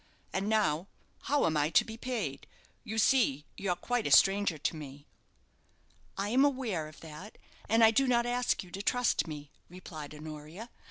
And now, how am I to be paid? You see, you're quite a stranger to me." "I am aware of that, and I do not ask you to trust me," replied Honoria.